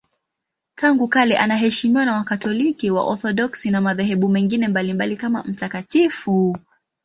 Tangu kale anaheshimiwa na Wakatoliki, Waorthodoksi na madhehebu mengine mbalimbali kama mtakatifu.